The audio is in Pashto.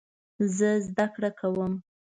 زه زده کړه کوم